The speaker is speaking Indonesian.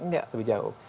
nggak lebih jauh